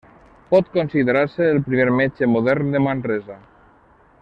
Pot considerar-se el primer metge modern de Manresa.